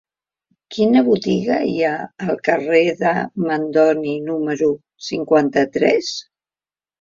Quina botiga hi ha al carrer de Mandoni número cinquanta-tres?